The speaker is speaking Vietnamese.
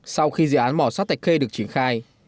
sau khi dự án mỏ sắt thạch khê được triển khai